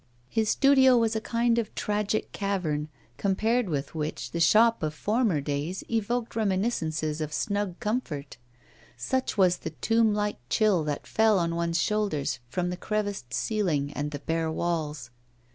His studio was a kind of tragic cavern, compared with which the shop of former days evoked reminiscences of snug comfort, such was the tomb like chill that fell on one's shoulders from the creviced ceiling and the bare walls.